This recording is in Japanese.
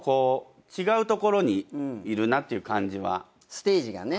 ステージがね。